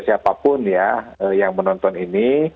siapapun ya yang menonton ini